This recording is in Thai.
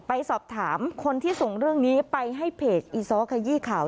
ไปสอบถามคนที่ส่งเรื่องนี้ไปให้เพจอีซ้อขยี้ข่าว